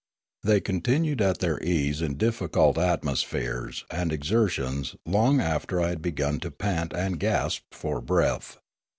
They con tinued at their ease in difficult atmospheres and exer tions long after I had begun to paut and gasp for breath.